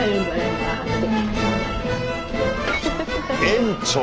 園長。